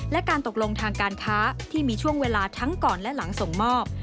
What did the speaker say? และการตกลงทางการค้าที่มีช่วงเวลาทั้งก่อนและหลังส่งมอบ